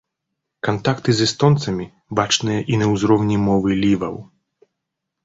Кантакты з эстонцамі бачныя і на ўзроўні мовы ліваў.